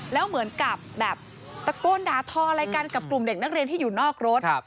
แล้วเหมือนกับแบบตะโกนด่าทออะไรกันกับกลุ่มเด็กนักเรียนที่อยู่นอกรถ